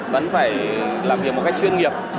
vẫn phải làm việc một cách chuyên nghiệp